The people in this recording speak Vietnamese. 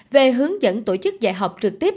về hướng dẫn tổ chức giải học trực tiếp